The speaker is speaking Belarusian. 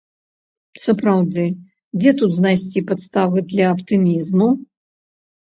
Сапраўды, дзе тут знайсці падставы для аптымізму?